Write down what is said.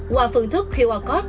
qua phương thức qr code